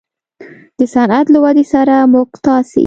د صنعت له ودې سره موږ تاسې